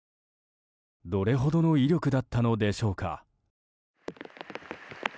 どれほどの威力だったのでしょうか。